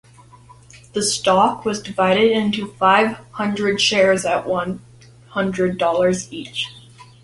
The stock was divided into five hundred shares at one hundred dollars each.